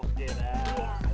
tunggu aja wajah